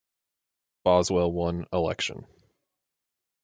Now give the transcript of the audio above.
Boswell won election.